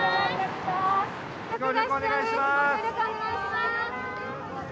ご協力お願いします！